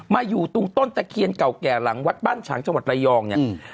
อยู่ตรงต้นตะเคียนเก่าแก่หลังวัดบ้านฉางจังหวัดระยองเนี่ย